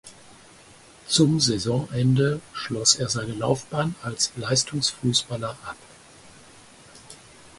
Zum Saisonende schloss er seine Laufbahn als Leistungsfußballer ab.